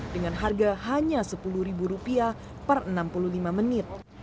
dengan harga hanya rp sepuluh per enam puluh lima menit